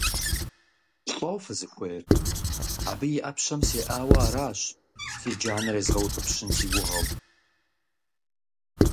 ЛӀо фызыхуейр? Абы и Ӏэпщэм сеӀауэ аращ, си джанэр езгъэутӀыпщын си гугъэу.